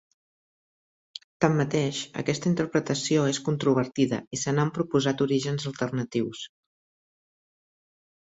Tanmateix, aquesta interpretació és controvertida i se n'han proposat orígens alternatius.